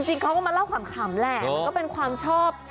จริงเขาก็มาเล่าขำแหละมันก็เป็นความชอบ